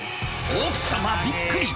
奥様びっくり。